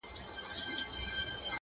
خدای ورکړي دوه زامن په یوه شپه وه,